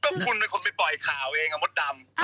ก็คุณเป็นคนไปปล่อยข่าวเองอะมดดำ